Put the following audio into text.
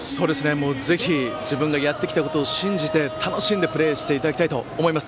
ぜひ自分のやってきたことを信じて楽しんでプレーしていただきたいと思います。